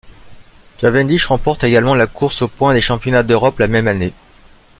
Cavendish remporte également la course au points des Championnats d'Europe la même année.